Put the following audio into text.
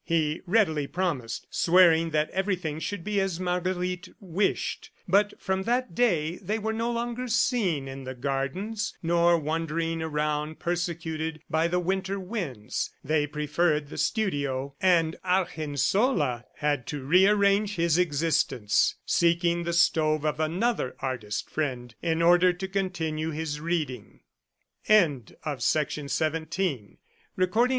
He readily promised, swearing that everything should be as Marguerite wished. ... But from that day they were no longer seen in the gardens, nor wandering around persecuted by the winter winds. They preferred the studio, and Argensola had to rearrange his existence, seeking the stove of another artist friend, in order to continue his reading. This state of things lasted two months.